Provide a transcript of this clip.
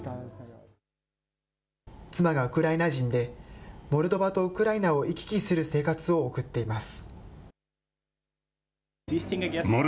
妻がウクライナ人で、モルドバとウクライナを行き来する生活を送っています。